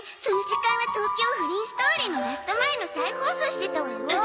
その時間は『東京不倫ストーリー』のラスト前の再放送してたわよ。